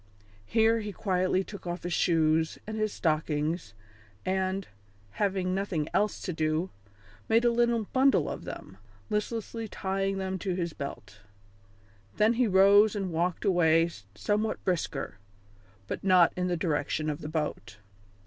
Here he quietly took off his shoes and his stockings, and, having nothing else to do, made a little bundle of them, listlessly tying them to his belt; then he rose and walked away somewhat brisker, but not in the direction of the boat.